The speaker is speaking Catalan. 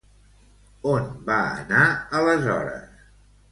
On va anar aleshores?